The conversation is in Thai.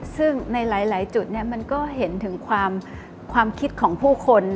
ซึ่งในหลายจุดมันก็เห็นถึงความคิดของผู้คน